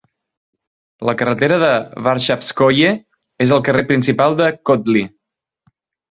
La carretera de Varshavskoye és el carrer principal de Kotly.